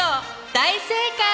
大正解！